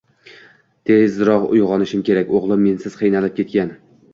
Tezroq uyg`onishim kerak, o`g`lim mensiz qiynalib ketgan